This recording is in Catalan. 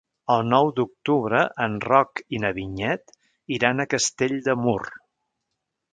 El nou d'octubre en Roc i na Vinyet iran a Castell de Mur.